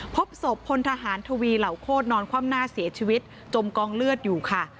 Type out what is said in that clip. พบศพพลทหารทวีเหล่าโคตรนอนคว่ำหน้าเสียชีวิตจมกองเลือดอยู่ค่ะ